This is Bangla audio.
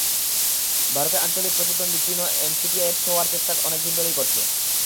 ভারতের আঞ্চলিক প্রতিদ্বন্দ্বী চীনও এমটিসিআরের সদস্য হওয়ার চেষ্টা অনেক দিন ধরেই করছে।